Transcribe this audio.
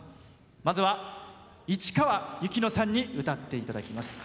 まずは市川由紀乃さんに歌っていただきます。